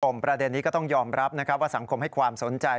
ประเด็นนี้ก็ต้องยอมรับนะครับว่าสังคมให้ความสนใจ